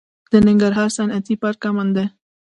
د ننګرهار صنعتي پارک امن دی؟